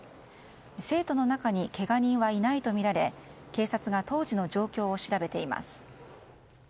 生徒の中にけが人はいないとみられ警察が当時の状況を調べています。